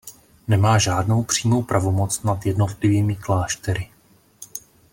Nemá žádnou přímou pravomoc nad jednotlivými kláštery.